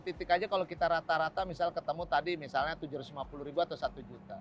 titik aja kalau kita rata rata misal ketemu tadi misalnya tujuh ratus lima puluh ribu atau satu juta